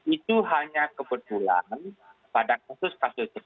itu hanya kebetulan pada kasus kasus